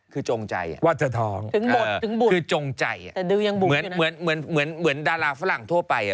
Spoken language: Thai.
คือจงใจอะวัตเตอร์ท้องคือจงใจอะเหมือนดาราฝรั่งทั่วไปอะ